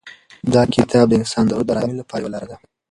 دا کتاب د انسان د روح د ارامۍ لپاره یوه لاره ده.